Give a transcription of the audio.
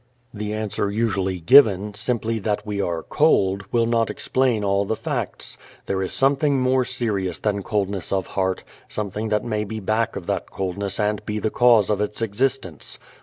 The answer usually given, simply that we are "cold," will not explain all the facts. There is something more serious than coldness of heart, something that may be back of that coldness and be the cause of its existence.